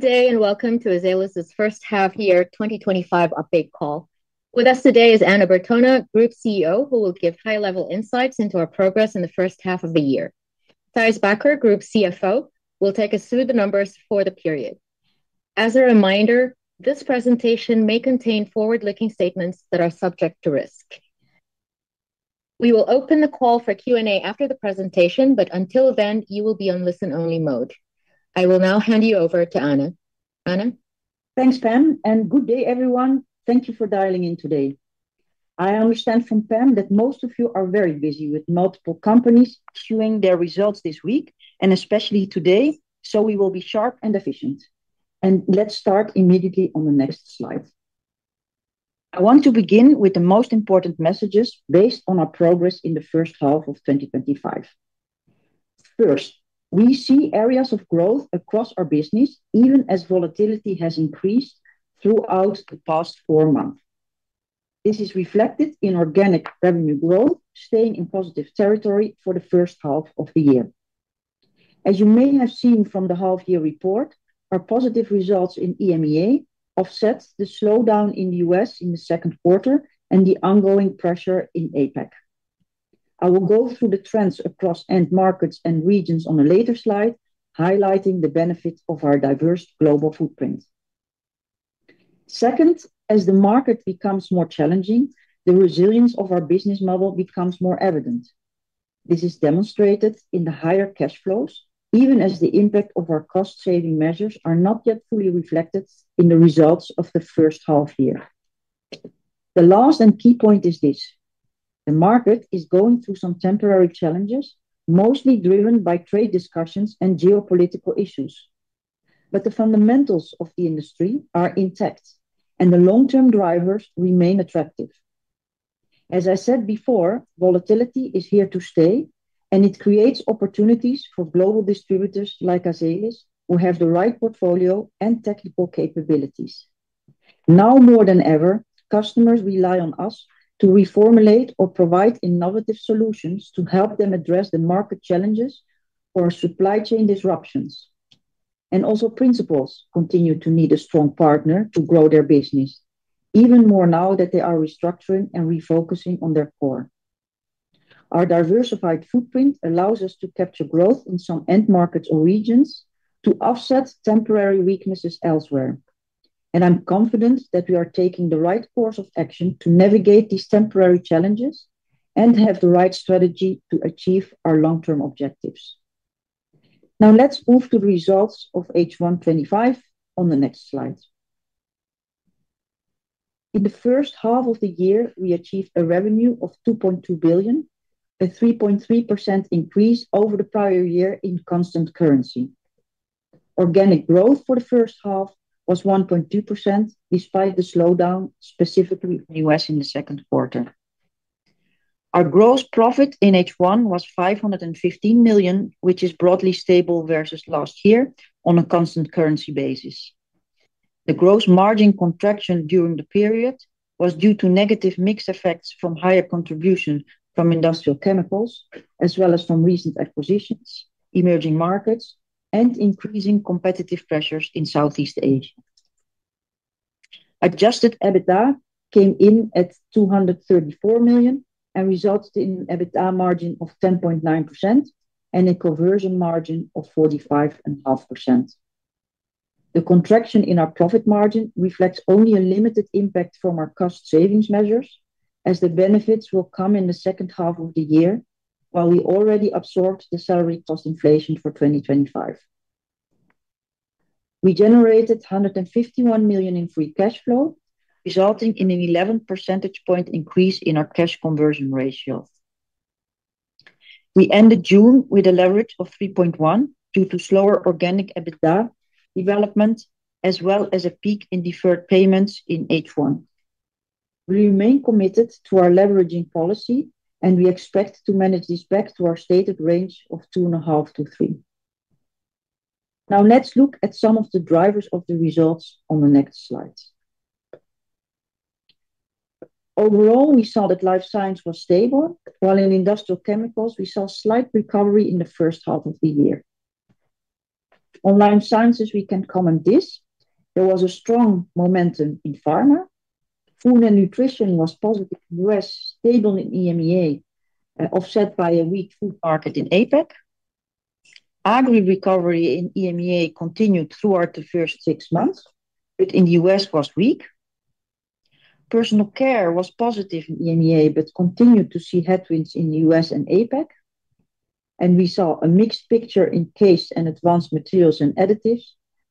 Good day and welcome to Azelis's First Half Year 2025 Update call. With us today is Anna Bertona, Group CEO, who will give high-level insights into our progress in the first half of the year. Thijs Bakker, Group CFO, will take us through the numbers for the period. As a reminder, this presentation may contain forward-looking statements that are subject to risk. We will open the call for Q&A after the presentation, but until then, you will be on listen-only mode. I will now hand you over to Anna. Anna? Thanks, Pam, and good day, everyone. Thank you for dialing in today. I understand from Pam that most of you are very busy with multiple companies issuing their results this week, and especially today, so we will be sharp and efficient. Let's start immediately on the next slide. I want to begin with the most important messages based on our progress in the first half of 2025. First, we see areas of growth across our business, even as volatility has increased throughout the past four months. This is reflected in organic revenue growth, staying in positive territory for the first half of the year. As you may have seen from the half-year report, our positive results in EMEA offset the slowdown in the U.S. in the second quarter and the ongoing pressure in APAC. I will go through the trends across end markets and regions on a later slide, highlighting the benefit of our diverse global footprint. Second, as the market becomes more challenging, the resilience of our business model becomes more evident. This is demonstrated in the higher cash flows, even as the impact of our cost-saving measures is not yet fully reflected in the results of the first half year. The last and key point is this: the market is going through some temporary challenges, mostly driven by trade discussions and geopolitical issues. The fundamentals of the industry are intact, and the long-term drivers remain attractive. As I said before, volatility is here to stay, and it creates opportunities for global distributors like Azelis, who have the right portfolio and technical capabilities. Now more than ever, customers rely on us to reformulate or provide innovative solutions to help them address the market challenges or supply chain disruptions. Principals continue to need a strong partner to grow their business, even more now that they are restructuring and refocusing on their core. Our diversified footprint allows us to capture growth in some end markets or regions to offset temporary weaknesses elsewhere. I'm confident that we are taking the right course of action to navigate these temporary challenges and have the right strategy to achieve our long-term objectives. Now let's move to the results of H1 2025 on the next slide. In the first half of the year, we achieved a revenue of 2.2 billion, a 3.3% increase over the prior year in constant currency. Organic growth for the first half was 1.2% despite the slowdown, specifically in the U.S. in the second quarter. Our gross profit in H1 was 515 million, which is broadly stable versus last year on a constant currency basis. The gross margin contraction during the period was due to negative mix effects from higher contribution from industrial chemicals, as well as from recent acquisitions, emerging markets, and increasing competitive pressures in Southeast Asia. Adjusted EBITDA came in at 234 million and resulted in an EBITDA margin of 10.9% and a conversion margin of 45.5%. The contraction in our profit margin reflects only a limited impact from our cost savings measures, as the benefits will come in the second half of the year, while we already absorbed the salary cost inflation for 2025. We generated 151 million in free cash flow, resulting in an 11 percentage points increase in our cash conversion ratio. We ended June with a leverage of 3.1x due to slower organic EBITDA development, as well as a peak in deferred payments in H1. We remain committed to our deleveraging policy, and we expect to manage this back to our stated range of 2.5x-3x. Now let's look at some of the drivers of the results on the next slide. Overall, we saw that life sciences was stable, while in industrial chemicals, we saw a slight recovery in the first half of the year. On life sciences, we can comment this. There was a strong momentum in Pharma. Food and nutrition was positive in the U.S., stable in EMEA, offset by a weak food market in APAC. Agri recovery in EMEA continued throughout the first six months, but in the U.S. was weak. Personal Care was positive in EMEA, but continued to see headwinds in the U.S. and APAC. We saw a mixed picture in CASE and advanced materials and additives,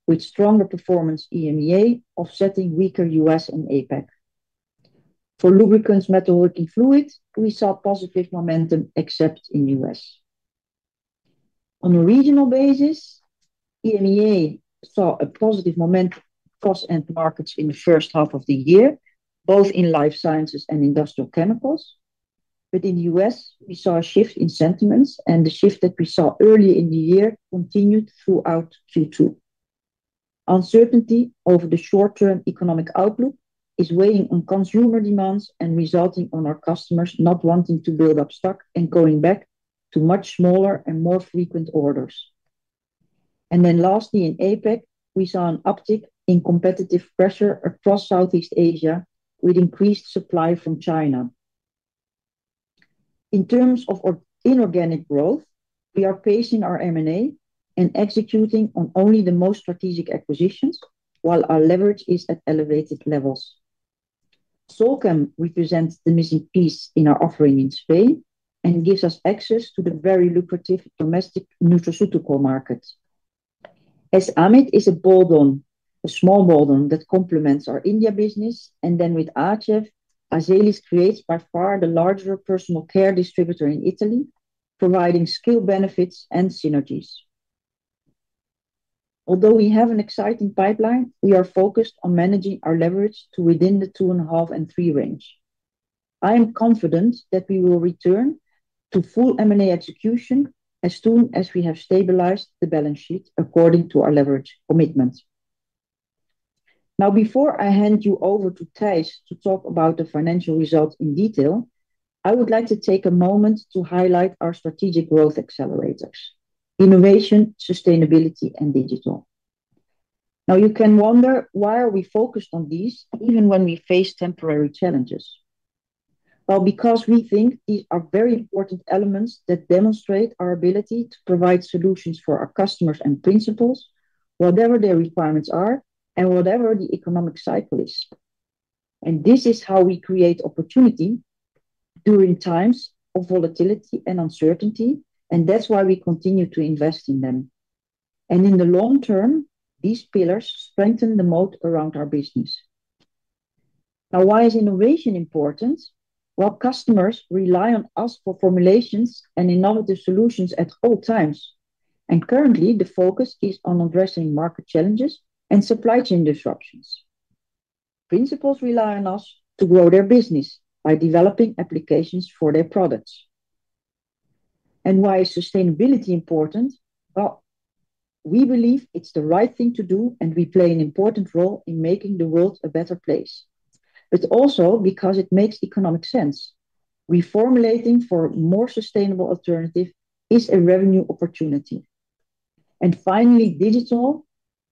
with stronger performance in EMEA offsetting weaker U.S. and APAC. For lubricants, metalwork, and fluids, we saw positive momentum except in the U.S. On a regional basis, EMEA saw a positive momentum across end markets in the first half of the year, both in life sciences and industrial chemicals. In the U.S., we saw a shift in sentiments, and the shift that we saw earlier in the year continued throughout Q2. Uncertainty over the short-term economic outlook is weighing on consumer demands and resulting in our customers not wanting to build up stock and going back to much smaller and more frequent orders. Lastly, in APAC, we saw an uptick in competitive pressure across Southeast Asia, with increased supply from China. In terms of inorganic growth, we are pacing our M&A and executing on only the most strategic acquisitions, while our leverage is at elevated levels. Solchem represents the missing piece in our offering in Spain and gives us access to the very lucrative domestic nutraceutical market. S Amit is a small balloon that complements our India business, and then with ACEF, Azelis creates by far the larger Personal Care distributor in Italy, providing skill benefits and synergies. Although we have an exciting pipeline, we are focused on managing our leverage to within the 2.5x and 3x range. I am confident that we will return to full M&A execution as soon as we have stabilized the balance sheet according to our leverage commitment. Now, before I hand you over to Thijs to talk about the financial results in detail, I would like to take a moment to highlight our strategic growth accelerators: innovation, sustainability, and digital. You can wonder, why are we focused on these even when we face temporary challenges. We think these are very important elements that demonstrate our ability to provide solutions for our customers and principals, whatever their requirements are, and whatever the economic cycle is. This is how we create opportunity during times of volatility and uncertainty, and that's why we continue to invest in them. In the long term, these pillars strengthen the moat around our business. Now, why is innovation important? Customers rely on us for formulations and innovative solutions at all times. Currently, the focus is on addressing market challenges and supply chain disruptions. Principals rely on us to grow their business by developing applications for their products. Why is sustainability important? We believe it's the right thing to do, and we play an important role in making the world a better place. It also makes economic sense. Reformulating for a more sustainable alternative is a revenue opportunity. Finally, digital,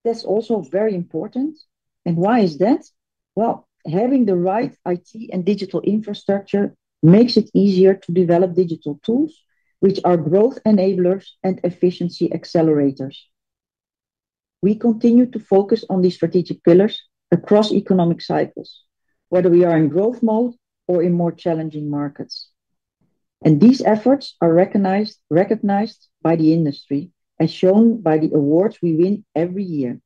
that's also very important. Why is that? Having the right IT and digital infrastructure makes it easier to develop digital tools, which are growth enablers and efficiency accelerators. We continue to focus on these strategic pillars across economic cycles, whether we are in growth mode or in more challenging markets. These efforts are recognized by the industry as shown by the awards we win every year.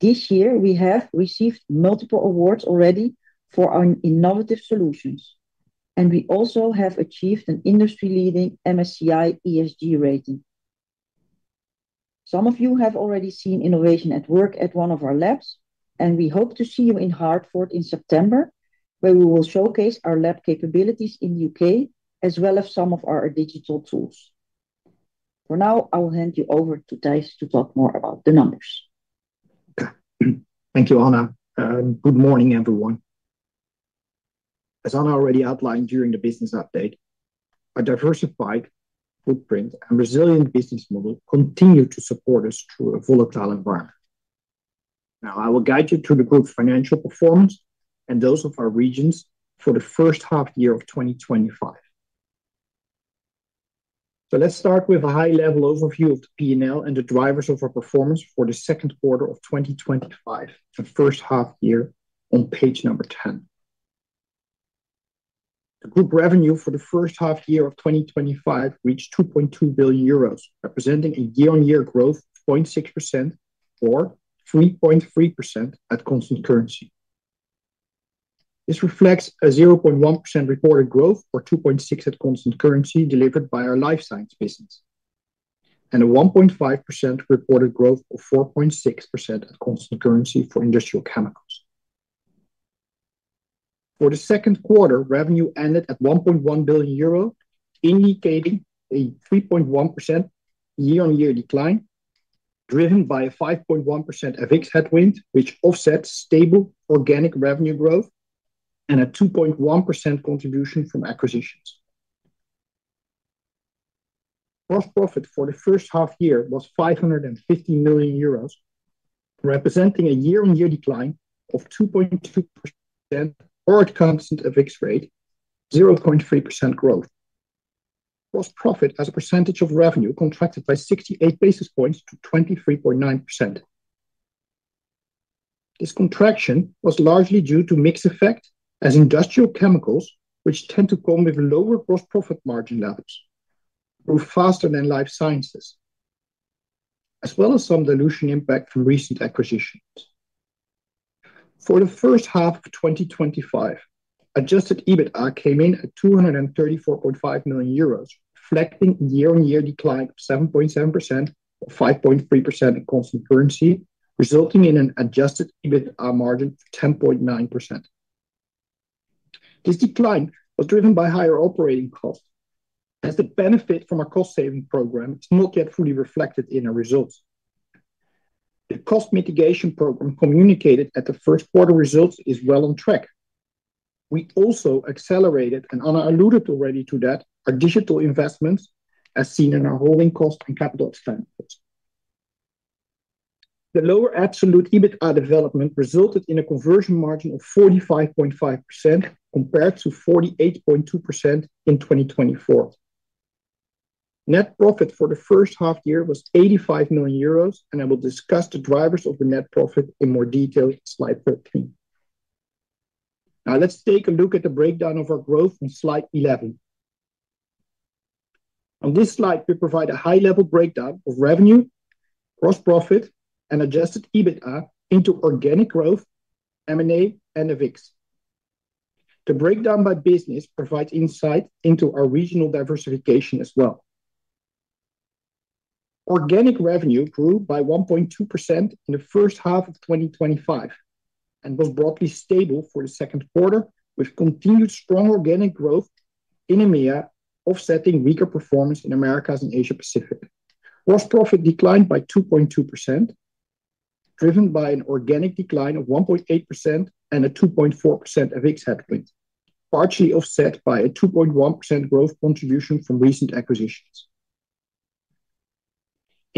This year, we have received multiple awards already for our innovative solutions. We also have achieved an industry-leading MSCI ESG rating. Some of you have already seen innovation at work at one of our labs, and we hope to see you in Hartford in September, where we will showcase our lab capabilities in the U.K. as well as some of our digital tools. For now, I will hand you over to Thijs to talk more about the numbers. Okay. Thank you, Anna. Good morning, everyone. As Anna already outlined during the business update, our diversified footprint and resilient business model continue to support us through a volatile environment. I will guide you through the group's financial performance and those of our regions for the first half year of 2025. Let's start with a high-level overview of the P&L and the drivers of our performance for the second quarter of 2025, the first half year, on page number 10. The group revenue for the first half year of 2025 reached 2.2 billion euros, representing a year-on-year growth of 0.6% or 3.3% at constant currency. This reflects a 0.1% reported growth or 2.6% at constant currency delivered by our life sciences business, and a 1.5% reported growth or 4.6% at constant currency for industrial chemicals. For the second quarter, revenue ended at 1.1 billion euro, indicating a 3.1% year-on-year decline, driven by a 5.1% FX headwind, which offsets stable organic revenue growth and a 2.1% contribution from acquisitions. Gross profit for the first half year was 550 million euros, representing a year-on-year decline of 2.2% or at constant FX rate, 0.3% growth. Gross profit as a percentage of revenue contracted by 68 basis points to 23.9%. This contraction was largely due to mix effect, as industrial chemicals, which tend to come with lower gross profit margin levels, grew faster than life sciences, as well as some dilution impact from recent acquisitions. For the first half of 2025, adjusted EBITDA came in at 234.5 million euros, reflecting a year-on-year decline of 7.7% or 5.3% at constant currency, resulting in an adjusted EBITDA margin of 10.9%. This decline was driven by higher operating costs, as the benefit from our cost-saving program is not yet fully reflected in our results. The cost mitigation program communicated at the first quarter results is well on track. We also accelerated, and Anna alluded already to that, our digital service investments, as seen in our holding costs and capital expenditures. The lower absolute EBITDA development resulted in a conversion margin of 45.5% compared to 48.2% in 2024. Net profit for the first half year was 85 million euros, and I will discuss the drivers of the net profit in more detail in slide 13. Now let's take a look at the breakdown of our growth on slide 11. On this slide, we provide a high-level breakdown of revenue, gross profit, and adjusted EBITDA into organic growth, M&A, and FX. The breakdown by business provides insight into our regional diversification as well. Organic revenue grew by 1.2% in the first half of 2025 and was broadly stable for the second quarter, with continued strong organic growth in EMEA, offsetting weaker performance in America and Asia-Pacific. Gross profit declined by 2.2%, driven by an organic decline of 1.8% and a 2.4% FX headwind, partially offset by a 2.1% growth contribution from recent acquisitions.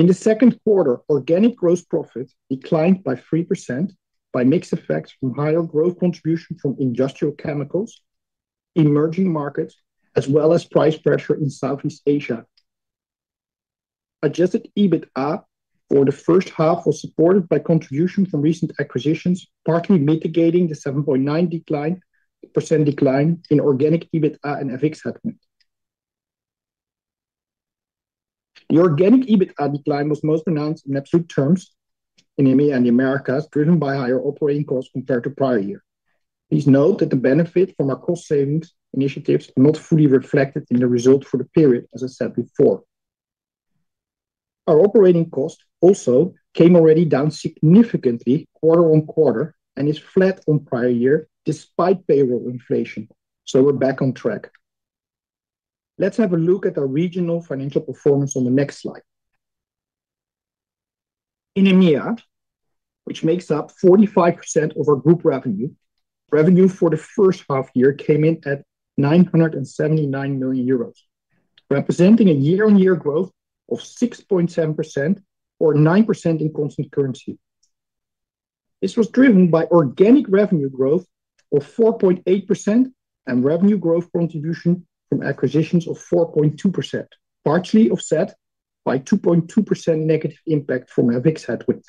In the second quarter, organic gross profit declined by 3% by mixed effects from higher growth contribution from industrial chemicals, emerging markets, as well as price pressure in Southeast Asia. Adjusted EBITDA for the first half was supported by contribution from recent acquisitions, partly mitigating the 7.9% decline in organic EBITDA and FX headwind. The organic EBITDA decline was most pronounced in absolute terms in EMEA and the Americas, driven by higher operating costs compared to prior year. Please note that the benefit from our cost-saving initiatives is not fully reflected in the result for the period, as I said before. Our operating cost also came already down significantly quarter on quarter and is flat on prior year despite payroll inflation. We're back on track. Let's have a look at our regional financial performance on the next slide. In EMEA, which makes up 45% of our group revenue, revenue for the first half year came in at 979 million euros, representing a year-on-year growth of 6.7% or 9% in constant currency. This was driven by organic revenue growth of 4.8% and revenue growth contribution from acquisitions of 4.2%, partially offset by 2.2% negative impact from FX headwind.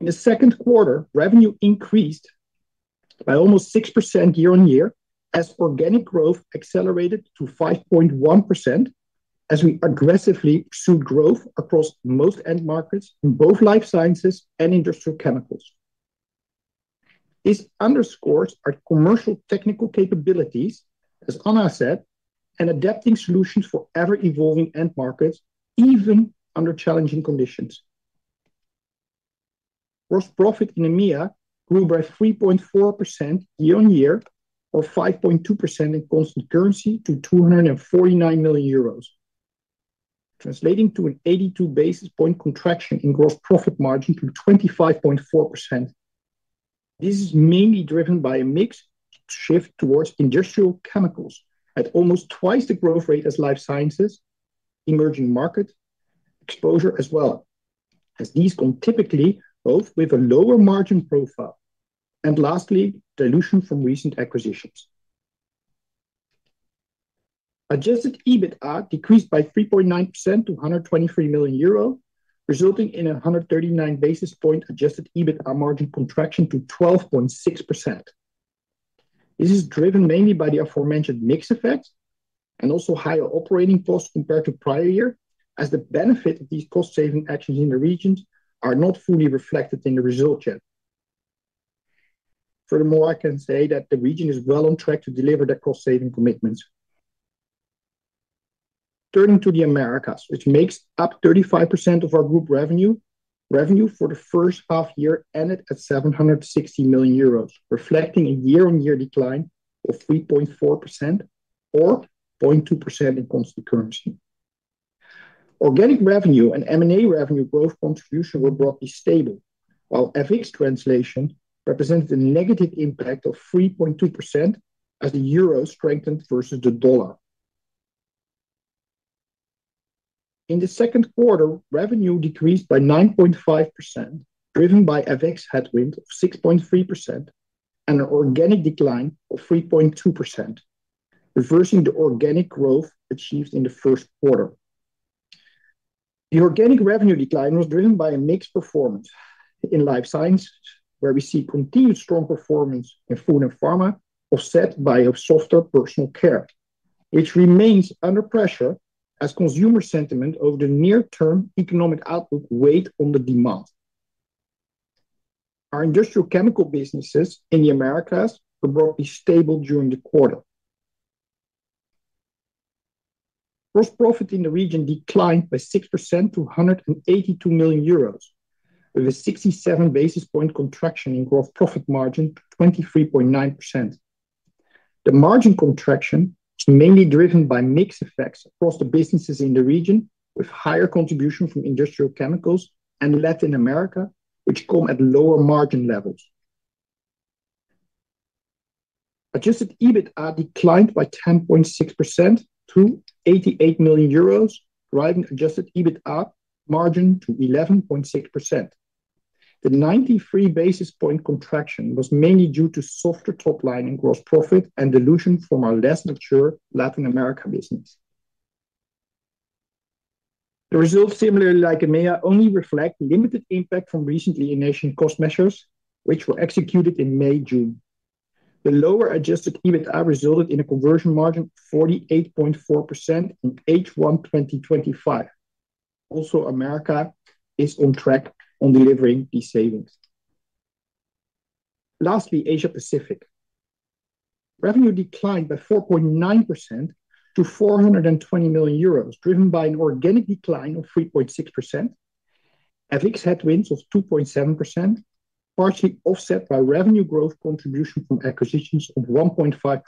In the second quarter, revenue increased by almost 6% year-on-year, as organic growth accelerated to 5.1% as we aggressively pursued growth across most end markets in both life sciences and industrial chemicals. This underscores our commercial technical capabilities, as Anna said, and adapting solutions for ever-evolving end markets, even under challenging conditions. Gross profit in EMEA grew by 3.4% year-on-year or 5.2% in constant currency to 249 million euros, translating to an 82 basis point contraction in gross profit margin to 25.4%. This is mainly driven by a mix shift towards industrial chemicals at almost twice the growth rate as life sciences, emerging market exposure as well, as these come typically both with a lower margin profile and lastly, dilution from recent acquisitions. Adjusted EBITDA decreased by 3.9% to 123 million euro, resulting in a 139 basis point adjusted EBITDA margin contraction to 12.6%. This is driven mainly by the aforementioned mix effects and also higher operating costs compared to prior year, as the benefit of these cost-saving actions in the regions are not fully reflected in the result yet. Furthermore, I can say that the region is well on track to deliver their cost-saving commitments. Turning to the Americas, which makes up 35% of our group revenue, revenue for the first half year ended at 760 million euros, reflecting a year-on-year decline of 3.4% or 0.2% in constant currency. Organic revenue and M&A revenue growth contribution were broadly stable, while FX translation represented a negative impact of 3.2% as the euro strengthened versus the dollar. In the second quarter, revenue decreased by 9.5%, driven by FX headwind of 6.3% and an organic decline of 3.2%, reversing the organic growth achieved in the first quarter. The organic revenue decline was driven by a mixed performance in life sciences, where we see continued strong performance in food and Pharma, offset by a softer Personal Care, which remains under pressure as consumer sentiment over the near-term economic outlook weighed on the demand. Our industrial chemicals businesses in the Americas were broadly stable during the quarter. Gross profit in the region declined by 6% to 182 million euros, with a 67 basis point contraction in gross profit margin to 23.9%. The margin contraction is mainly driven by mix effects across the businesses in the region, with higher contribution from industrial chemicals and Latin America, which come at lower margin levels. Adjusted EBITDA declined by 10.6% to 88 million euros, driving adjusted EBITDA margin to 11.6%. The 93 basis point contraction was mainly due to softer top line in gross profit and dilution from our less mature Latin America business. The results, similarly like EMEA, only reflect limited impact from recently enacted cost measures, which were executed in May-June. The lower adjusted EBITDA resulted in a conversion margin of 48.4% in H1 2025. Also, America is on track on delivering these savings. Lastly, Asia-Pacific. Revenue declined by 4.9% to 420 million euros, driven by an organic decline of 3.6%, FX headwinds of 2.7%, partially offset by revenue growth contribution from acquisitions of 1.5%.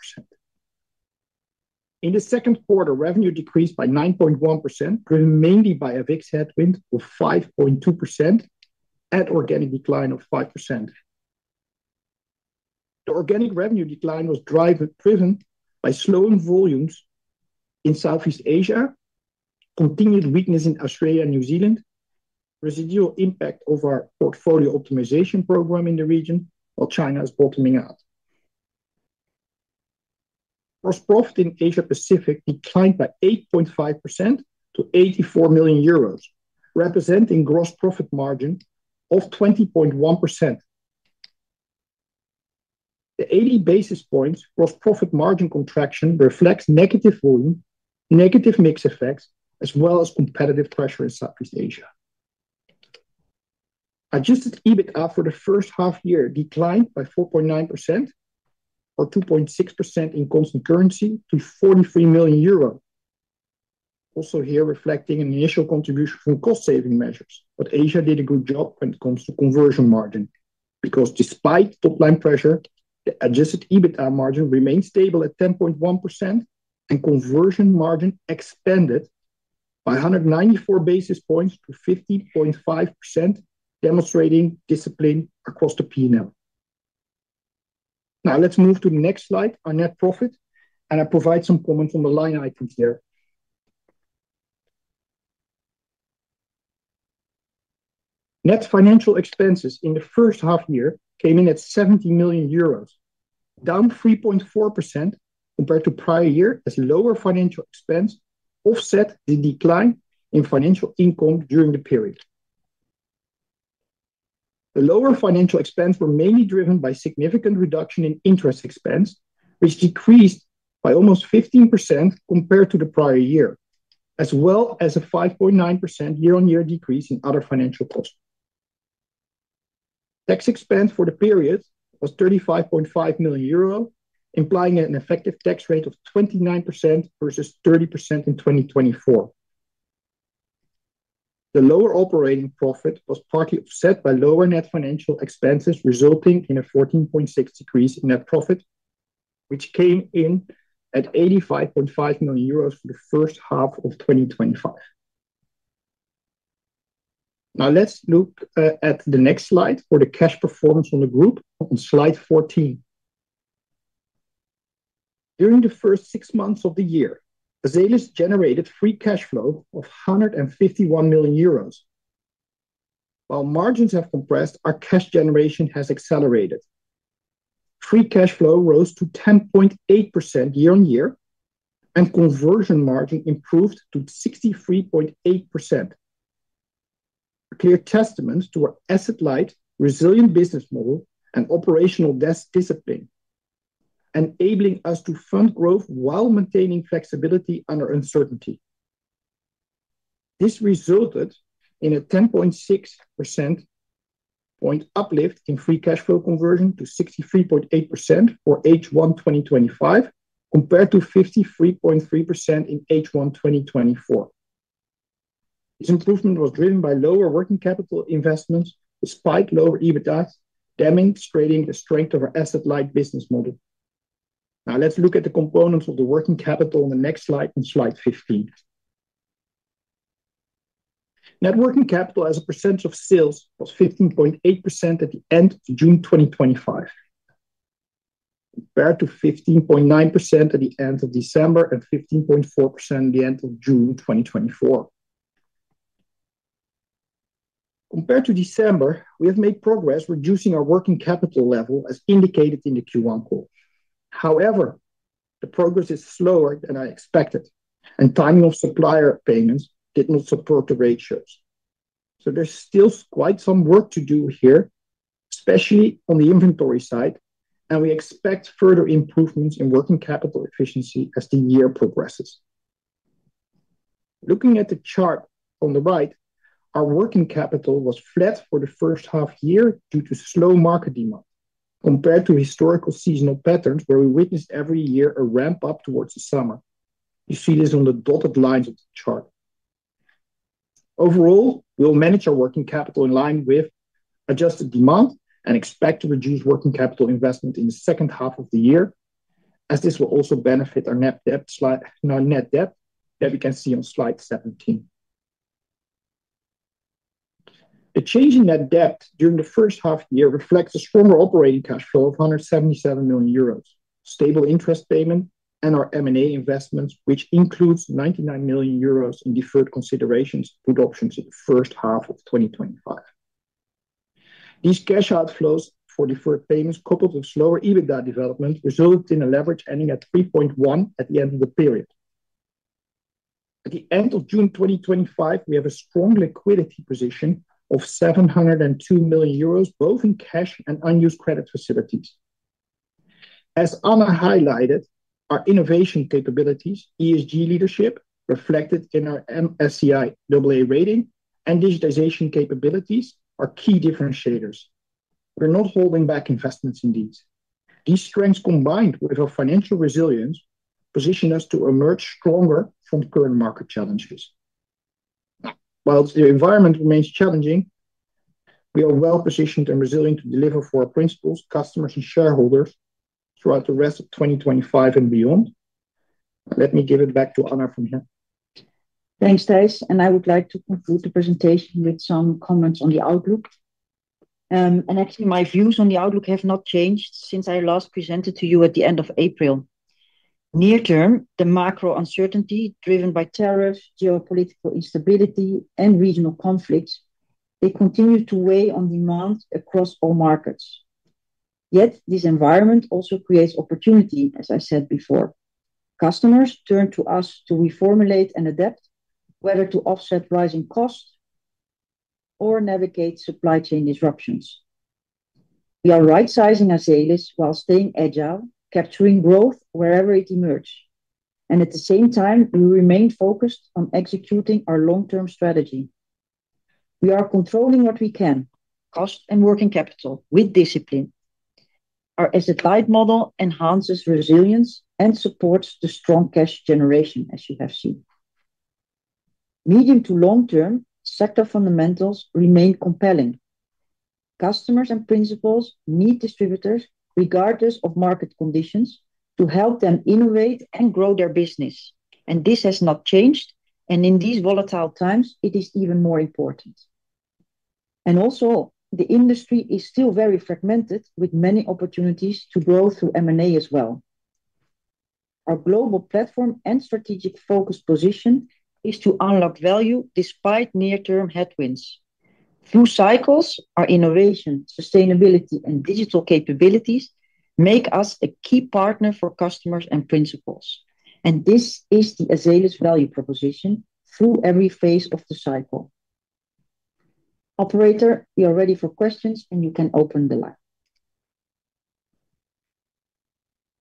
In the second quarter, revenue decreased by 9.1%, driven mainly by FX headwind of 5.2% and organic decline of 5%. The organic revenue decline was driven by slowing volumes in Southeast Asia, continued weakness in Australia and New Zealand, residual impact of our portfolio optimization program in the region, while China is bottoming out. Gross profit in Asia-Pacific declined by 8.5% to 84 million euros, representing a gross profit margin of 20.1%. The 80 basis points gross profit margin contraction reflects negative volume, negative mix effects, as well as competitive pressure in Southeast Asia. Adjusted EBITDA for the first half year declined by 4.9% or 2.6% in constant currency to 43 million euro, also here reflecting an initial contribution from cost-saving measures. Asia did a good job when it comes to conversion margin because despite top line pressure, the adjusted EBITDA margin remained stable at 10.1% and conversion margin expanded by 194 basis points to 15.5%, demonstrating discipline across the P&L. Now let's move to the next slide, our net profit, and I provide some comments on the line items here. Net financial expenses in the first half year came in at 70 million euros, down 3.4% compared to prior year, as a lower financial expense offset the decline in financial income during the period. The lower financial expense was mainly driven by a significant reduction in interest expense, which decreased by almost 15% compared to the prior year, as well as a 5.9% year-on-year decrease in other financial costs. Tax expense for the period was 35.5 million euro, implying an effective tax rate of 29% versus 30% in 2024. The lower operating profit was partly offset by lower net financial expenses, resulting in a 14.6% increase in net profit, which came in at 85.5 million euros for the first half of 2025. Now let's look at the next slide for the cash performance on the group. On slide 14. During the first six months of the year, Azelis generated free cash flow of 151 million euros. While margins have compressed, our cash generation has accelerated. Free cash flow rose to 10.8% year-on-year, and conversion margin improved to 63.8%. A clear testament to our asset-light, resilient business model and operational discipline, enabling us to fund growth while maintaining flexibility under uncertainty. This resulted in a 10.6% point uplift in free cash flow conversion to 63.8% for H1 2025, compared to 53.3% in H1 2024. This improvement was driven by lower working capital investments, despite lower EBITDA, demonstrating the strength of our asset-light business model. Now let's look at the components of the working capital on the next slide, on slide 15. Net working capital as a percentage of sales was 15.8% at the end of June 2025, compared to 15.9% at the end of December and 15.4% at the end of June 2024. Compared to December, we have made progress reducing our working capital level, as indicated in the Q1 call. However, the progress is slower than I expected, and timing of supplier payments did not support the ratios. There is still quite some work to do here, especially on the inventory side, and we expect further improvements in working capital efficiency as the year progresses. Looking at the chart on the right, our working capital was flat for the first half year due to slow market demand, compared to historical seasonal patterns where we witnessed every year a ramp-up towards the summer. You see this on the dotted lines of the chart. Overall, we'll manage our working capital in line with adjusted demand and expect to reduce working capital investment in the second half of the year, as this will also benefit our net debt that we can see on slide 17. The change in net debt during the first half year reflects a stronger operating cash flow of 177 million euros, stable interest payment, and our M&A investments, which includes 99 million euros in deferred considerations, good options in the first half of 2025. These cash outflows for deferred payments, coupled with slower EBITDA development, resulted in a leverage ending at 3.1x at the end of the period. At the end of June 2025, we have a strong liquidity position of 702 million euros, both in cash and unused credit facilities. As Anna highlighted, our innovation capabilities, ESG leadership, reflected in our MSCI AA rating, and digitization capabilities are key differentiators. We're not holding back investments in these. These strengths, combined with our financial resilience, position us to emerge stronger from current market challenges. While the environment remains challenging, we are well positioned and resilient to deliver for our principals, customers, and shareholders throughout the rest of 2025 and beyond. Let me give it back to Anna from here. Thanks, Thijs, and I would like to conclude the presentation with some comments on the outlook. Actually, my views on the outlook have not changed since I last presented to you at the end of April. Near-term, the macro uncertainty driven by tariffs, geopolitical instability, and regional conflicts continues to weigh on demand across all markets. Yet, this environment also creates opportunity, as I said before. Customers turn to us to reformulate and adapt, whether to offset rising costs or navigate supply chain disruptions. We are right-sizing Azelis while staying agile, capturing growth wherever it emerges. At the same time, we remain focused on executing our long-term strategy. We are controlling what we can, cost and working capital, with discipline. Our asset-light business model enhances resilience and supports the strong cash generation, as you have seen. Medium to long-term, sector fundamentals remain compelling. Customers and principals need distributors, regardless of market conditions, to help them innovate and grow their business. This has not changed, and in these volatile times, it is even more important. The industry is still very fragmented, with many opportunities to grow through M&A as well. Our global platform and strategic focus position us to unlock value despite near-term headwinds. Through cycles, our innovation, sustainability, and digital capabilities make us a key partner for customers and principals. This is the Azelis value proposition through every phase of the cycle. Operator, we are ready for questions, and you can open the line.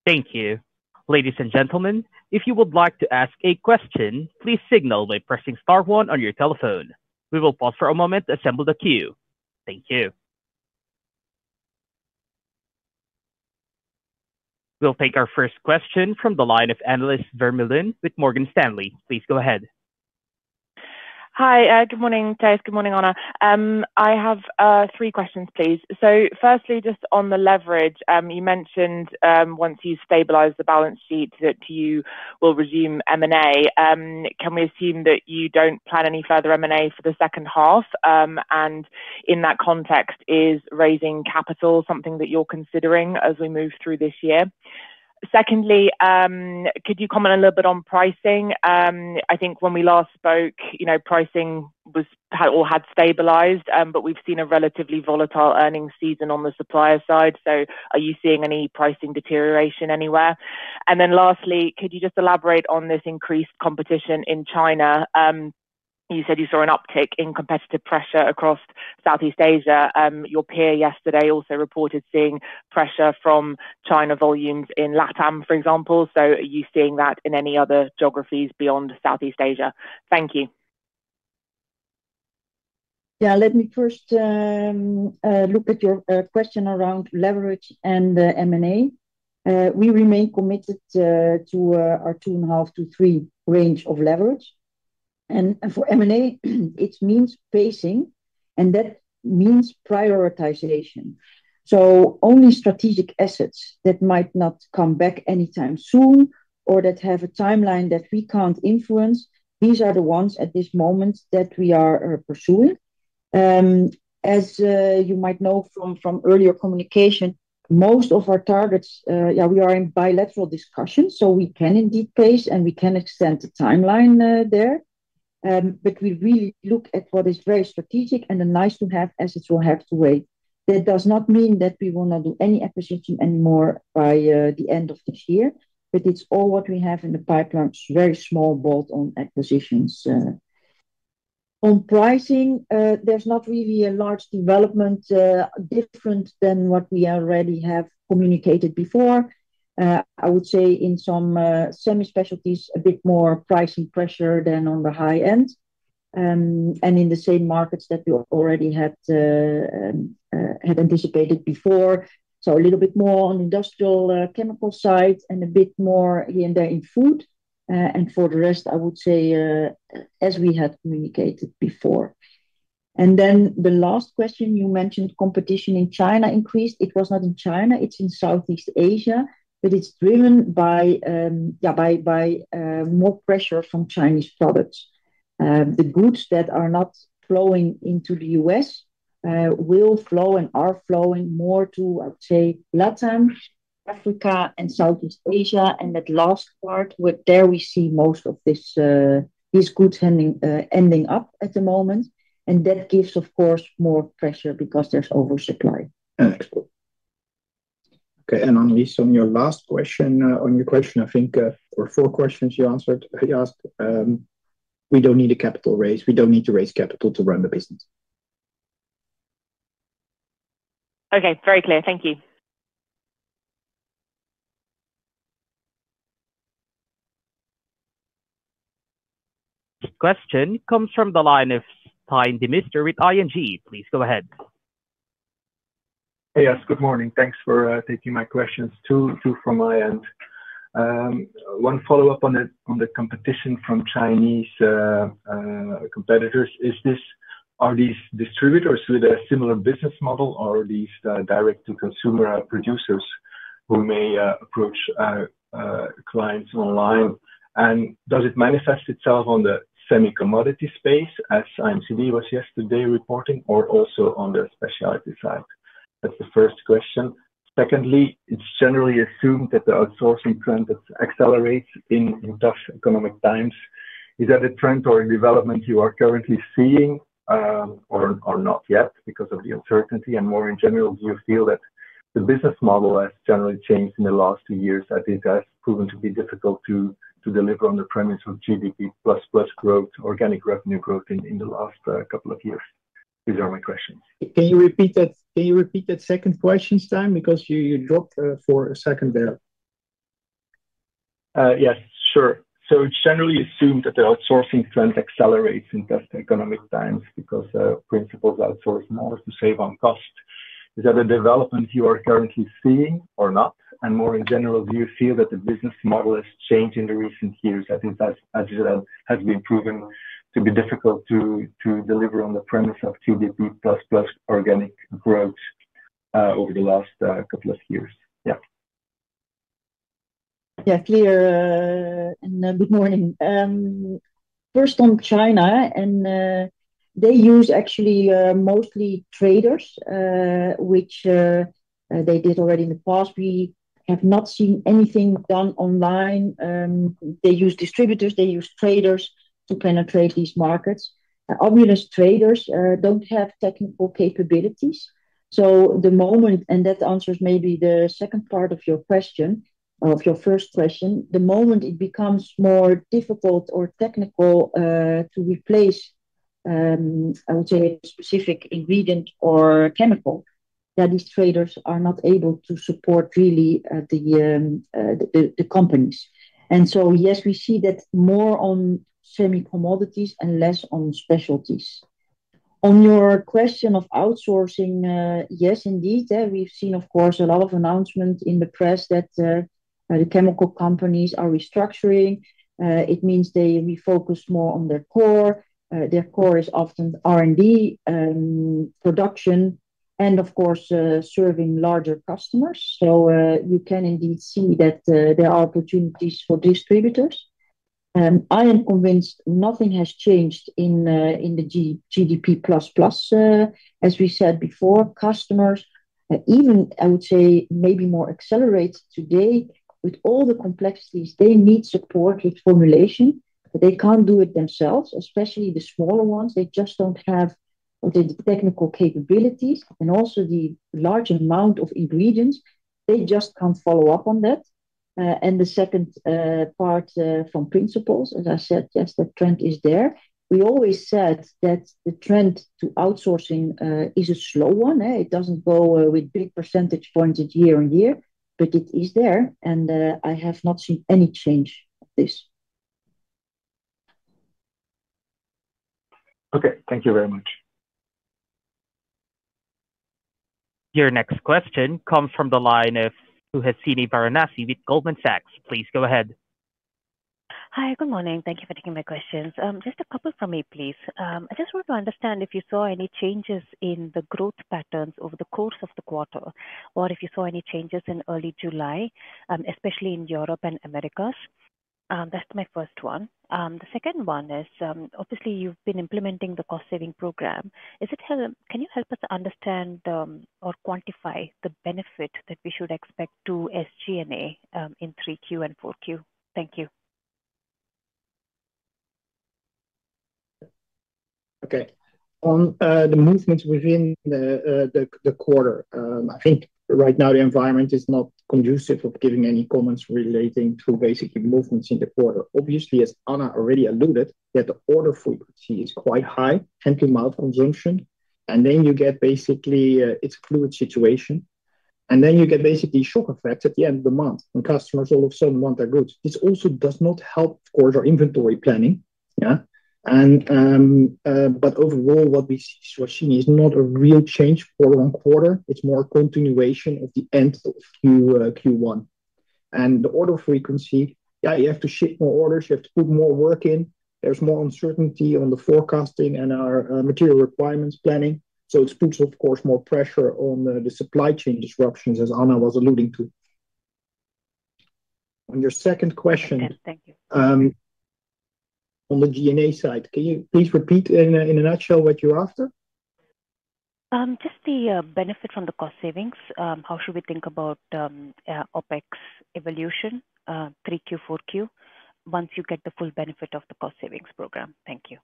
Thank you. Ladies and gentlemen, if you would like to ask a question, please signal by pressing star one on your telephone. We will pause for a moment to assemble the queue. Thank you. We'll take our first question from the line of Annelies Vermeulen with Morgan Stanley. Please go ahead. Hi, good morning, Thijs. Good morning, Anna. I have three questions, please. Firstly, just on the leverage, you mentioned once you've stabilized the balance sheet that you will resume M&A. Can we assume that you don't plan any further M&A for the second half? In that context, is raising capital something that you're considering as we move through this year? Secondly, could you comment a little bit on pricing? I think when we last spoke, you know, pricing had stabilized, but we've seen a relatively volatile earnings season on the supplier side. Are you seeing any pricing deterioration anywhere? Lastly, could you just elaborate on this increased competition in China? You said you saw an uptick in competitive pressure across Southeast Asia. Your peer yesterday also reported seeing pressure from China volumes in LatAm, for example. Are you seeing that in any other geographies beyond Southeast Asia? Thank you. Yeah, let me first look at your question around leverage and M&A. We remain committed to our 2.5x-3x range of leverage. For M&A, it means pacing, and that means prioritization. Only strategic assets that might not come back anytime soon or that have a timeline that we can't influence, these are the ones at this moment that we are pursuing. As you might know from earlier communication, most of our targets, we are in bilateral discussions, so we can indeed pace and we can extend the timeline there. We really look at what is very strategic and the nice-to-have assets we'll have to weigh. That does not mean that we will not do any acquisition anymore by the end of this year, but it's all what we have in the pipeline, very small bolt-on acquisitions. On pricing, there's not really a large development different than what we already have communicated before. I would say in some semi-specialties, a bit more pricing pressure than on the high end, and in the same markets that we already had anticipated before. A little bit more on the industrial chemicals side and a bit more here and there in food. For the rest, I would say as we had communicated before. The last question you mentioned, competition in China increased. It was not in China, it's in Southeast Asia, but it's driven by more pressure from Chinese products. The goods that are not flowing into the U.S. will flow and are flowing more to LatAm, Africa, and Southeast Asia. That last part, where there we see most of these goods ending up at the moment. That gives, of course, more pressure because there's oversupply. Okay. On your last question, on your question, I think, or four questions you asked, we don't need a capital raise. We don't need to raise capital to run the business. Okay, very clear. Thank you. The question comes from the line of Stijn Demeester with ING. Please go ahead. Yes, good morning. Thanks for taking my questions. Two from my end. One follow-up on the competition from Chinese competitors. Are these distributors with a similar business model, or are these direct-to-consumer producers who may approach clients online? Does it manifest itself on the semi-commodity space, as IMCD was yesterday reporting, or also on the specialty side? That's the first question. Secondly, it's generally assumed that the outsourcing trend accelerates in tough economic times. Is that a trend or a development you are currently seeing or not yet because of the uncertainty? More in general, do you feel that the business model has generally changed in the last two years, as it has proven to be difficult to deliver on the premise of GDP plus plus growth, organic revenue growth in the last couple of years? These are my questions. Can you repeat that second question, Stijn? You dropped for a second there. Yes, sure. It's generally assumed that the outsourcing trend accelerates in tough economic times because principals outsource more to save on cost. Is that a development you are currently seeing or not? More in general, do you feel that the business model has changed in the recent years? I think that has been proven to be difficult to deliver on the premise of GDP plus plus organic growth over the last couple of years. Yeah. Yeah, clear. Good morning. First on China, they use actually mostly traders, which they did already in the past. We have not seen anything done online. They use distributors, they use traders to penetrate these markets. Ominous traders don't have technical capabilities. The moment, and that answers maybe the second part of your question, of your first question, the moment it becomes more difficult or technical to replace, I would say, a specific ingredient or chemical, these traders are not able to support really the companies. Yes, we see that more on semi-commodities and less on specialties. On your question of outsourcing, yes, indeed. We've seen, of course, a lot of announcements in the press that the chemical companies are restructuring. It means they refocus more on their core. Their core is often R&D, production, and, of course, serving larger customers. You can indeed see that there are opportunities for distributors. I am convinced nothing has changed in the GDP plus plus. As we said before, customers, even, I would say, maybe more accelerated today with all the complexities, need support with formulation, but they can't do it themselves, especially the smaller ones. They just don't have the technical capabilities and also the large amount of ingredients. They just can't follow up on that. The second part from principals, as I said, yes, that trend is there. We always said that the trend to outsourcing is a slow one. It doesn't go with big percentage points year-on-year, but it is there. I have not seen any change of this. Okay, thank you very much. Your next question comes from the line of Suhasini Varanasi with Goldman Sachs. Please go ahead. Hi, good morning. Thank you for taking my questions. Just a couple for me, please. I just want to understand if you saw any changes in the growth patterns over the course of the quarter, or if you saw any changes in early July, especially in Europe and Americas. That's my first one. The second one is, obviously, you've been implementing the cost-saving program. Can you help us understand or quantify the benefit that we should expect to SG&A in 3Q and 4Q? Thank you. Okay. On the movements within the quarter, I think right now the environment is not conducive of giving any comments relating to basically movements in the quarter. Obviously, as Anna already alluded, the order frequency is quite high, hand-to-mouth conjunction, and then you get basically, it's a fluid situation. You get basically shock effects at the end of the month when customers all of a sudden want their goods. This also does not help, of course, our inventory planning. Overall, what we see is not a real change for one quarter. It's more a continuation of the end of Q1. The order frequency, you have to ship more orders. You have to put more work in. There's more uncertainty on the forecasting and our material requirements planning. It puts, of course, more pressure on the supply chain disruptions, as Anna was alluding to. On your second question. Thank you. On the G&A side, can you please repeat in a nutshell what you're after? Just the benefit from the cost savings. How should we think about OpEx evolution 3Q, 4Q once you get the full benefit of the cost-savings program? Thank you.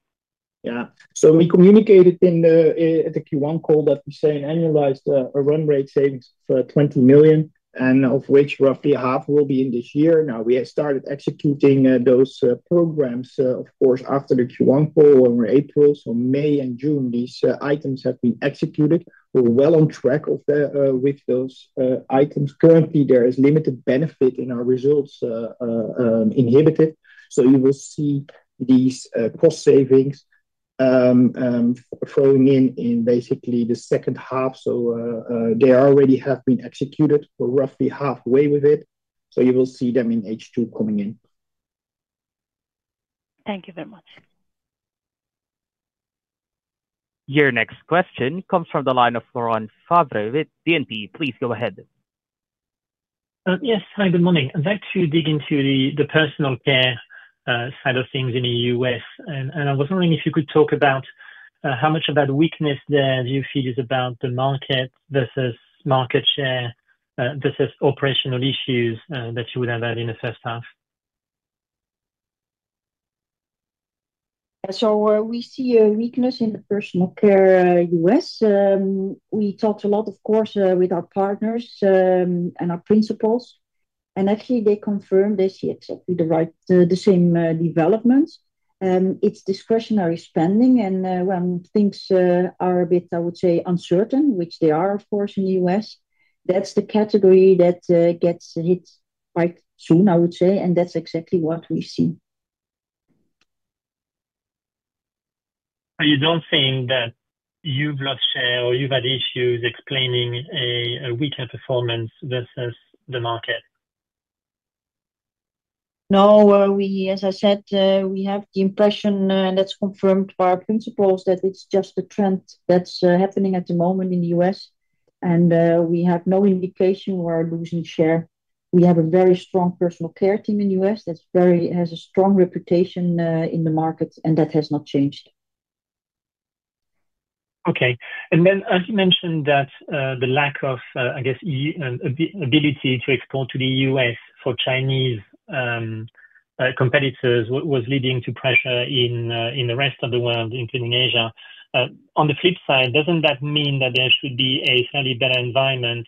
Yeah. We communicated in the Q1 call that we see an annualized run-rate savings of 20 million, and of which roughly half will be in this year. We have started executing those programs, of course, after the Q1 call in April. May and June, these items have been executed. We're well on track with those items. Currently, there is limited benefit in our results inhibited. You will see these cost savings flowing in basically in the second half. They already have been executed. We're roughly halfway with it. You will see them in H2 coming in. Thank you very much. Your next question comes from the line of Laurent Favre with BNP. Please go ahead. Yes. Hi, good morning. I'd like to dig into the Personal Care side of things in the U.S. I was wondering if you could talk about how much of that weakness there you feel is about the market versus market share versus operational issues that you would have had in the first half. We see a weakness in Personal Care U.S. We talked a lot, of course, with our partners and our principals, and actually, they confirmed they see exactly the same development. It's discretionary spending, and when things are a bit, I would say, uncertain, which they are, of course, in the U.S., that's the category that gets hit quite soon, I would say. That's exactly what we've seen. You don't think that you've lost share or you've had issues explaining a weaker performance versus the market? No. As I said, we have the impression, and that's confirmed by our principals, that it's just a trend that's happening at the moment in the U.S. We have no indication we're losing share. We have a very strong Personal Care team in the U.S. that has a strong reputation in the market, and that has not changed. Okay. As you mentioned, the lack of, I guess, ability to export to the U.S. for Chinese competitors was leading to pressure in the rest of the world, including Asia. On the flip side, doesn't that mean that there should be a fairly better environment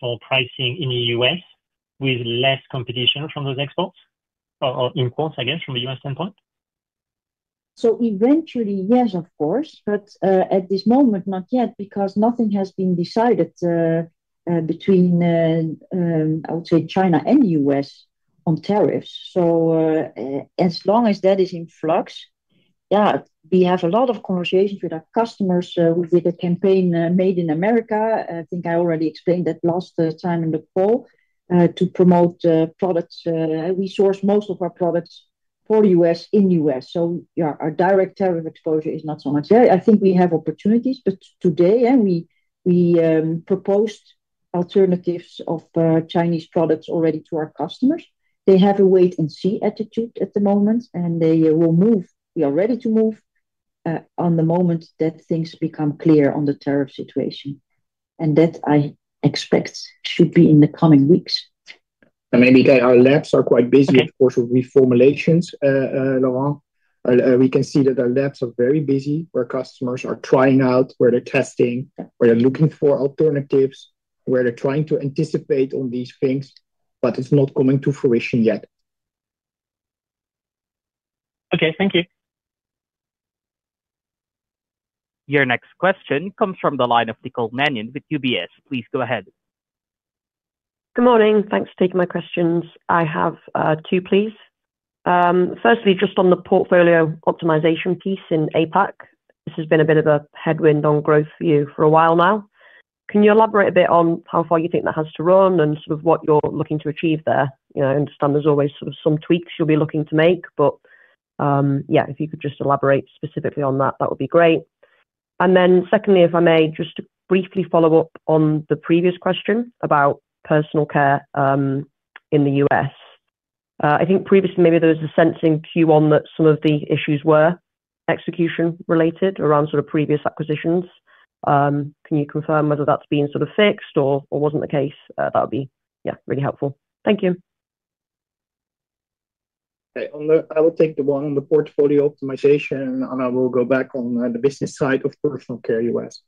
for pricing in the U.S. with less competition from those exports or imports, I guess, from a U.S. standpoint? Eventually, yes, of course, but at this moment, not yet because nothing has been decided between, I would say, China and the U.S. on tariffs. As long as that is in flux, we have a lot of conversations with our customers with a campaign made in America. I think I already explained that last time in the call to promote products. We source most of our products for the U.S. in the U.S., so our direct tariff exposure is not so much. I think we have opportunities, but today, we proposed alternatives of Chinese products already to our customers. They have a wait-and-see attitude at the moment, and they will move. We are ready to move the moment that things become clear on the tariff situation. I expect that should be in the coming weeks. Our labs are quite busy, of course, with reformulations, Laurent. We can see that our labs are very busy, where customers are trying out, where they're testing, where they're looking for alternatives, where they're trying to anticipate on these things, but it's not coming to fruition yet. Okay, thank you. Your next question comes from the line of Nicole Manion with UBS. Please go ahead. Good morning. Thanks for taking my questions. I have two, please. Firstly, just on the portfolio optimization piece in APAC. This has been a bit of a headwind on growth view for a while now. Can you elaborate a bit on how far you think that has to run and sort of what you're looking to achieve there? I understand there's always sort of some tweaks you'll be looking to make, but if you could just elaborate specifically on that, that would be great. Secondly, if I may, just to briefly follow up on the previous question about Personal Care in the U.S. I think previously, maybe there was a sense in Q1 that some of the issues were execution related around sort of previous acquisitions. Can you confirm whether that's been sort of fixed or wasn't the case? That would be really helpful. Thank you. I will take the one on the portfolio optimization, and I will go back on the business side of Personal Care US.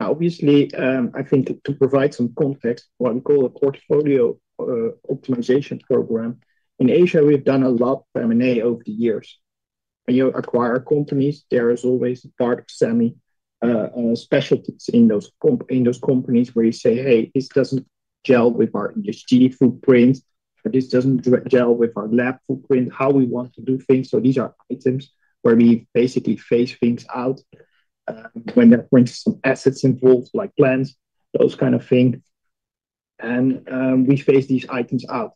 Now, obviously, I think to provide some context, what we call a portfolio optimization program, in Asia, we've done a lot of M&A over the years. When you acquire companies, there is always a part of semi-specialties in those companies where you say, "Hey, this doesn't gel with our ESG footprint. This doesn't gel with our lab footprint, how we want to do things." These are items where we basically phase things out when there are some assets involved, like plants, those kinds of things. We phase these items out.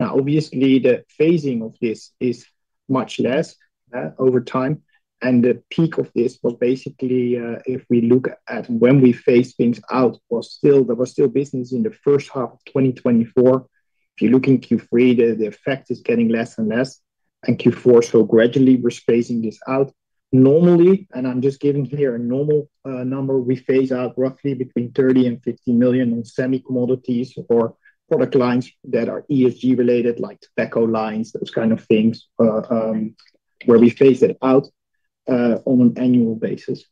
Now, obviously, the phasing of this is much less over time. The peak of this was basically, if we look at when we phased things out, there was still business in the first half of 2024. If you look in Q3, the effect is getting less and less. In Q4, gradually, we're spacing this out. Normally, and I'm just giving here a normal number, we phase out roughly between $30 million and $50 million on semi-commodities or product lines that are ESG related, like tobacco lines, those kinds of things, where we phase it out on an annual basis.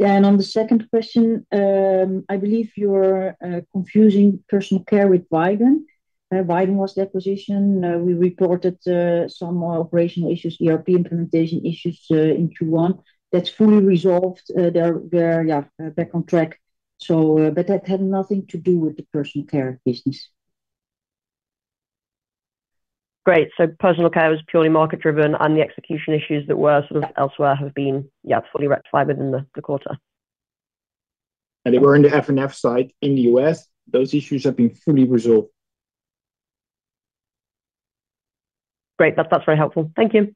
On the second question, I believe you're confusing Personal Care with Widen. Widen was the acquisition. We reported some operational issues, ERP implementation issues in Q1. That's fully resolved. They're back on track. That had nothing to do with the Personal Care business. Great. Personal Care was purely market-driven, and the execution issues that were elsewhere have been fully rectified within the quarter. They were in the F&F side in the U.S. Those issues have been fully resolved. Great. That's very helpful. Thank you.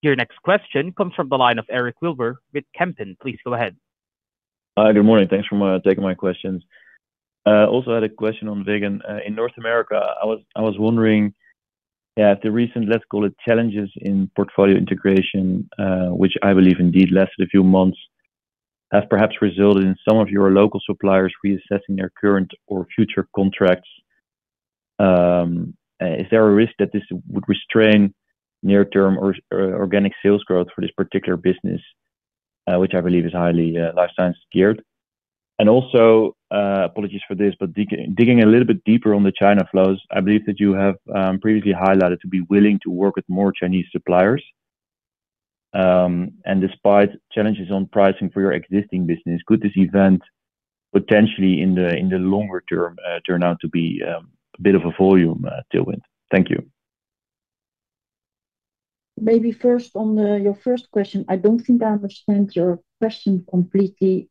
Your next question comes from the line of Eric Wilmer with Kempen. Please go ahead. Hi, good morning. Thanks for taking my questions. I also had a question on vegan. In North America, I was wondering if the recent, let's call it, challenges in portfolio integration, which I believe indeed lasted a few months, have perhaps resulted in some of your local suppliers reassessing their current or future contracts. Is there a risk that this would restrain near-term organic sales growth for this particular business, which I believe is highly lifestyle scared? Also, apologies for this, but digging a little bit deeper on the China flows, I believe that you have previously highlighted to be willing to work with more Chinese suppliers. Despite challenges on pricing for your existing business, could this event potentially in the longer term turn out to be a bit of a volume tailwind? Thank you. Maybe on your first question, I don't think I understand your question completely.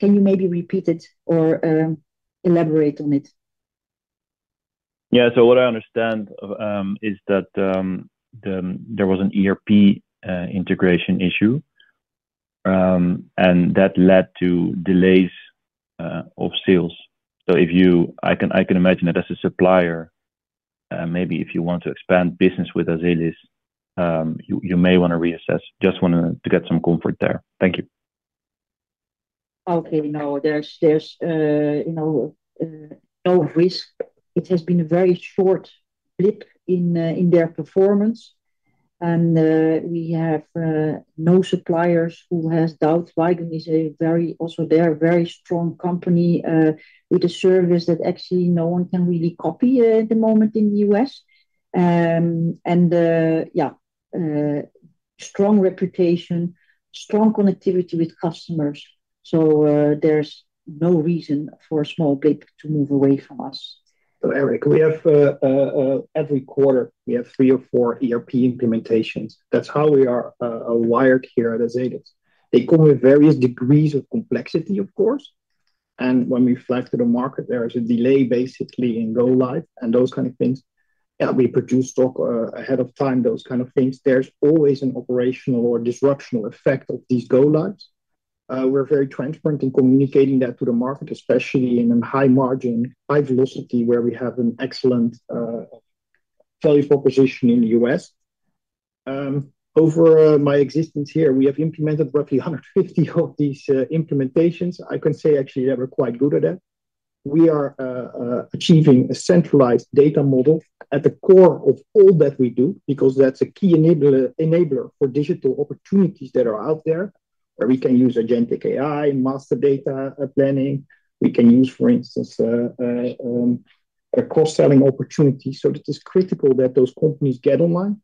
Can you maybe repeat it or elaborate on it? Yeah, what I understand is that there was an ERP integration issue, and that led to delays of sales. If you can imagine that as a supplier, maybe if you want to expand business with Azelis, you may want to reassess. Just wanted to get some comfort there. Thank you. Okay. No, there's no risk. It has been a very short blip in their performance. We have no suppliers who have doubts. Widen is also a very strong company with a service that actually no one can really copy at the moment in the U.S. Strong reputation, strong connectivity with customers. There's no reason for a small blip to move away from us. Eric, every quarter, we have three or four ERP implementations. That's how we are wired here at Azelis. They come with various degrees of complexity, of course. When we flag to the market, there is a delay basically in go-live and those kinds of things. We produce stock ahead of time, those kinds of things. There is always an operational or disruptional effect of these go-lives. We are very transparent in communicating that to the market, especially in a high margin, high velocity, where we have an excellent value proposition in the U.S. Over my existence here, we have implemented roughly 150 of these implementations. I can say actually we are quite good at that. We are achieving a centralized data model at the core of all that we do because that's a key enabler for digital opportunities that are out there, where we can use agentic AI, master data planning. We can use, for instance, cross-selling opportunities. It is critical that those companies get online.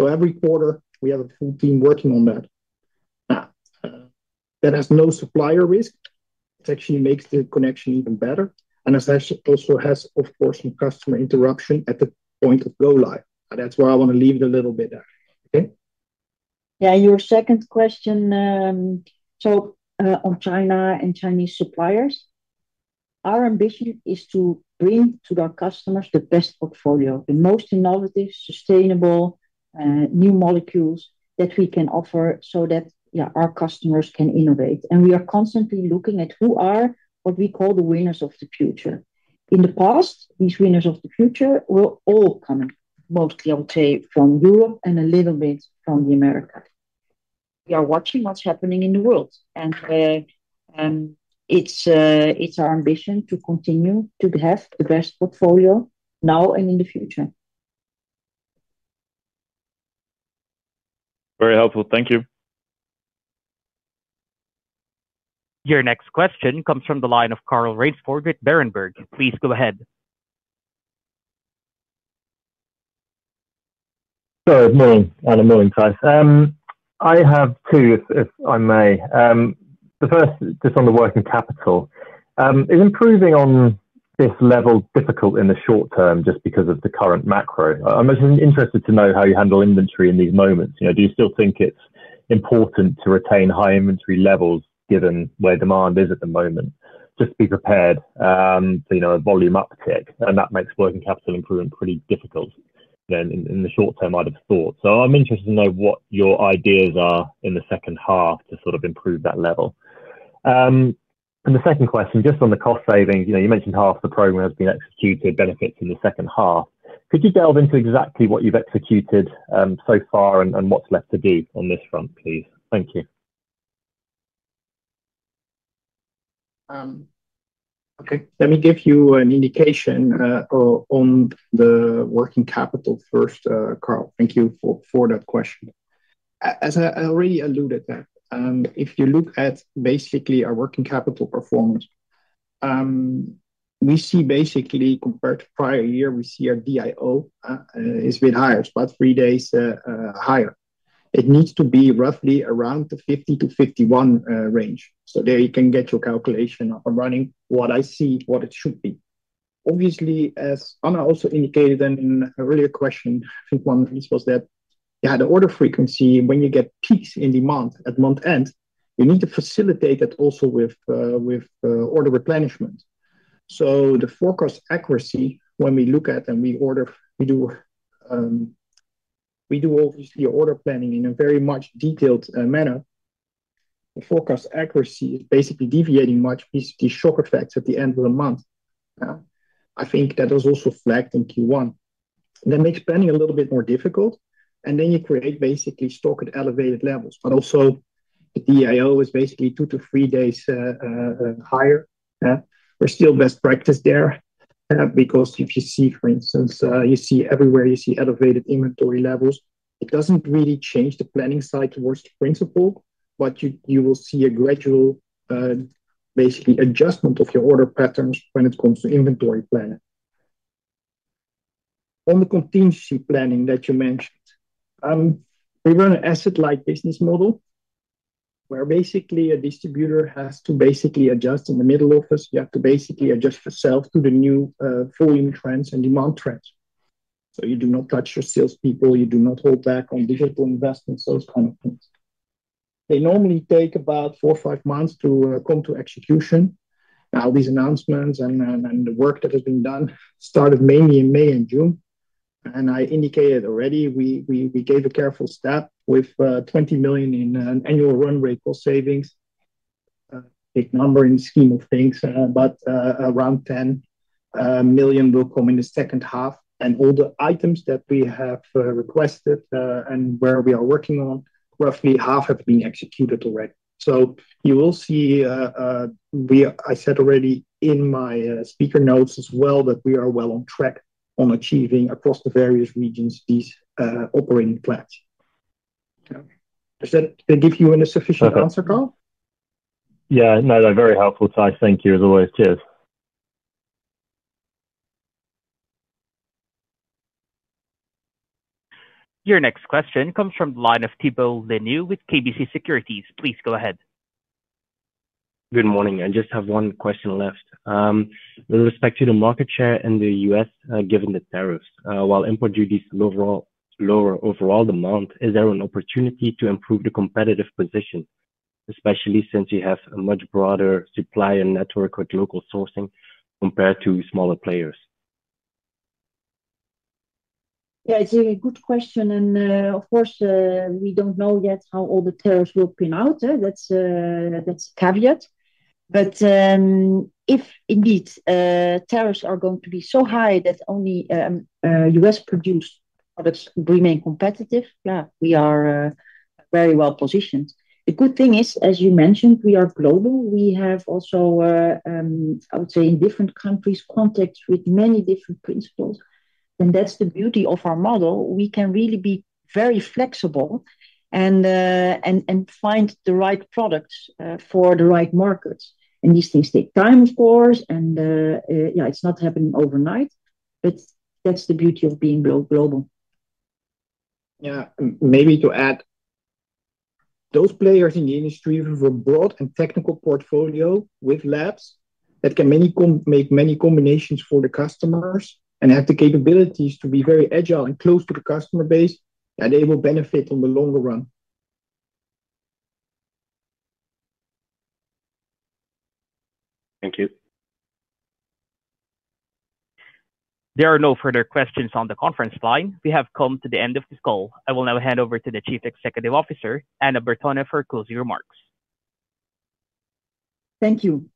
Every quarter, we have a full team working on that. That has no supplier risk. It actually makes the connection even better. It also has, of course, some customer interruption at the point of go-live. That's why I want to leave it a little bit there. Okay. Yeah. Your second question, on China and Chinese suppliers, our ambition is to bring to our customers the best portfolio, the most innovative, sustainable, new molecules that we can offer so that our customers can innovate. We are constantly looking at who are what we call the winners of the future. In the past, these winners of the future were all coming, mostly, I would say, from Europe and a little bit from America. We are watching what's happening in the world. It is our ambition to continue to have the best portfolio now and in the future. Very helpful. Thank you. Your next question comes from the line of Carl Raynsford with Berenberg. Please go ahead. Sorry. Morning. Anna, morning, Thijs. I have two, if I may. The first, just on the working capital. Is improving on this level difficult in the short term just because of the current macro? I'm just interested to know how you handle inventory in these moments. Do you still think it's important to retain high inventory levels given where demand is at the moment? Just to be prepared for a volume uptick. That makes working capital improvement pretty difficult in the short term, I'd have thought. I'm interested to know what your ideas are in the second half to sort of improve that level. The second question, just on the cost savings, you mentioned half the program has been executed, benefits in the second half. Could you delve into exactly what you've executed so far and what's left to do on this front, please? Thank you. Okay. Let me give you an indication on the working capital first, Carl. Thank you for that question. As I already alluded to, if you look at basically our working capital performance, we see basically compared to prior year, we see our [DIO] is a bit higher, it's about three days higher. It needs to be roughly around the 50%-51% range. There you can get your calculation up and running, what I see, what it should be. Obviously, as Anna also indicated in an earlier question, I think one piece was that the order frequency, when you get peaks in demand at month end, you need to facilitate that also with order replenishment. The forecast accuracy, when we look at and we order, we do obviously order planning in a very much detailed manner. The forecast accuracy is basically deviating much, these shock effects at the end of the month. I think that was also flagged in Q1. That makes planning a little bit more difficult. You create basically stock at elevated levels. Also, the DIO is basically two to three days higher. We're still best practice there because if you see, for instance, everywhere you see elevated inventory levels, it doesn't really change the planning side towards the principle, but you will see a gradual adjustment of your order patterns when it comes to inventory planning. On the contingency planning that you mentioned, we run an asset-light business model where basically a distributor has to adjust in the middle office. You have to adjust yourself to the new volume trends and demand trends. You do not touch your salespeople. You do not hold back on digital investments, those kinds of things. They normally take about four or five months to come to execution. These announcements and the work that has been done started mainly in May and June. I indicated already, we gave a careful step with 20 million in an annual run-rate cost savings. Big number in the scheme of things, but around 10 million will come in the second half. All the items that we have requested and where we are working on, roughly half have been executed already. You will see, I said already in my speaker notes as well, that we are well on track on achieving across the various regions these operating plans. Does that give you an insufficient answer, Carl? Yeah, no, they're very helpful, Thijs. Thank you, as always. Cheers. Your next question comes from the line of Thibault Leneeuw with KBC Securities. Please go ahead. Good morning. I just have one question left. With respect to the market share in the U.S., given the tariffs, while import duties lower overall the month, is there an opportunity to improve the competitive position, especially since you have a much broader supplier network with local sourcing compared to smaller players? Yeah, it's a good question. Of course, we don't know yet how all the tariffs will pin out. That's a caveat. If indeed tariffs are going to be so high that only U.S.-produced products remain competitive, yeah, we are very well positioned. The good thing is, as you mentioned, we are global. We have also, I would say, in different countries, contact with many different principals. That's the beauty of our model. We can really be very flexible and find the right products for the right markets. These things take time, of course. It's not happening overnight. That's the beauty of being global. Maybe to add, those players in the industry with a broad and technical portfolio with labs that can make many combinations for the customers and have the capabilities to be very agile and close to the customer base, they will benefit on the longer run. Thank you. There are no further questions on the conference line. We have come to the end of this call. I will now hand over to the Chief Executive Officer, Anna Bertona, for closing remarks. Thank you.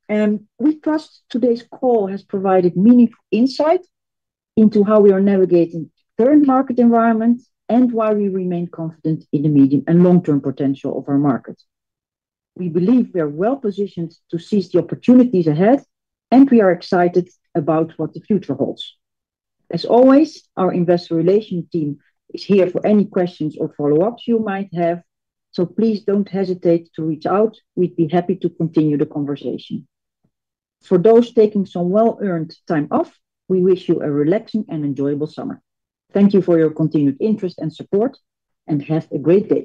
We trust today's call has provided meaningful insight into how we are navigating current market environments and why we remain confident in the medium and long-term potential of our market. We believe we are well positioned to seize the opportunities ahead, and we are excited about what the future holds. As always, our Investor Relations team is here for any questions or follow-ups you might have. Please don't hesitate to reach out. We'd be happy to continue the conversation. For those taking some well-earned time off, we wish you a relaxing and enjoyable summer. Thank you for your continued interest and support, and have a great day.